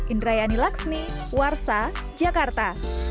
indrayani laksmi warsa jakarta